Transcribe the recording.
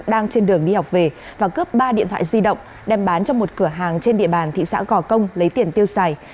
đang trên đường đi học về và cướp ba điện thoại di động đem bán cho một cửa hàng trên địa bàn thị xã gò công lấy tiền tiêu xài